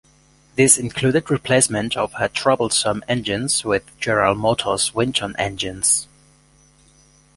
This included replacement of her troublesome engines with General Motors Winton engines.